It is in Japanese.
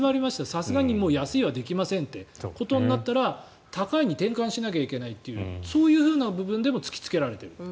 さすがにもう安いじゃできませんってことになったら高いに転換しなきゃいけないというそういう部分でも突きつけられている。